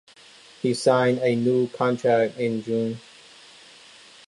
He signed a new contract in June.